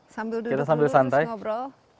sambil duduk dulu terus ngobrol